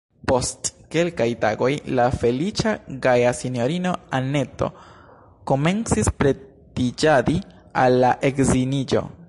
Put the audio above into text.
Post kelkaj tagoj la feliĉa, gaja sinjorino Anneto komencis pretiĝadi al la edziniĝo.